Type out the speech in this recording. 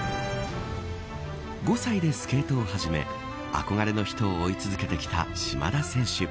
５歳でスケートを始め憧れの人を追い続けてきた島田選手。